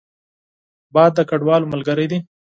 باد د کډوالو ملګری دی